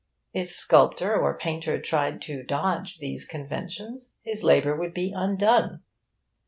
If sculptor or painter tried to dodge these conventions, his labour would be undone.